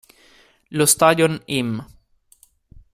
Lo Stadion im.